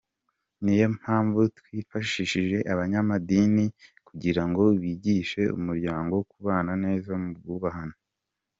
, niyo mpamvu twifashishije abanyamadini kugira ngo bigishe umuryango kubana neza mu bwubahane.